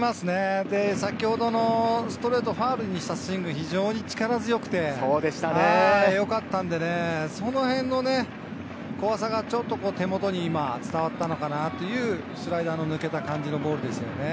先ほどのストレートをファウルにしたスイング、非常に力強くて、よかったんでね、そのへんの怖さがちょっと手元に伝わったのかなっていうスライダーの抜けた感じのボールですよね。